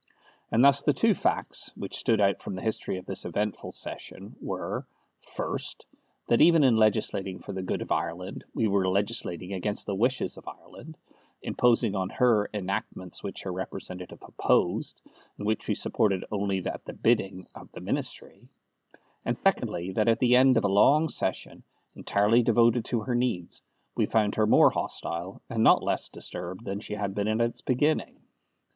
And thus the two facts which stood out from the history of this eventful session were, first, that even in legislating for the good of Ireland we were legislating against the wishes of Ireland, imposing on her enactments which her representatives opposed, and which we supported only at the bidding of the Ministry; and, secondly, that at the end of a long session, entirely devoted to her needs, we found her more hostile and not less disturbed than she had been at its beginning.